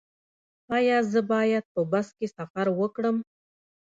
ایا زه باید په بس کې سفر وکړم؟